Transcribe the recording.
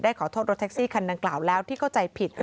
ขอโทษรถแท็กซี่คันดังกล่าวแล้วที่เข้าใจผิด